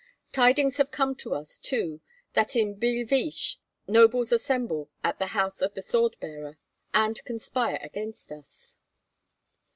Tidings have come to us, too, that in Billeviche nobles assemble at the house of the sword bearer and conspire against us.